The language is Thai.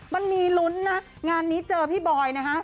มันมีลุ้นนะงานนี้เจอพี่บอยนะฮะ